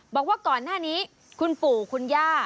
บอกว่าก่อนหน้านี้คุณปู่คุณย่า